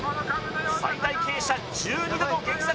最大傾斜１２度の激坂